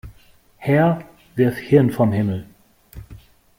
Herr, wirf Hirn vom Himmel!